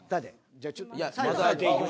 じゃあちょっと最後。